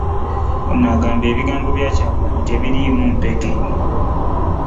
Ono agamba ebigambo bya Kyagulanyi tebiriimu mpeke